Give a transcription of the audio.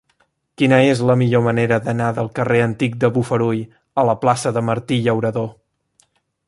Quina és la millor manera d'anar del carrer Antic de Bofarull a la plaça de Martí Llauradó?